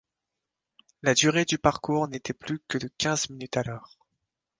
La durée du parcours n’était plus que de quinze minutes alors.